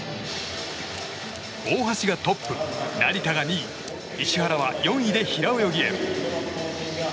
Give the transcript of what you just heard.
大橋がトップ、成田は２位石原は４位で平泳ぎ。